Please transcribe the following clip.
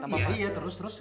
iya iya terus terus